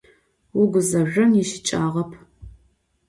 Vuguzezjon yişıç'ağep.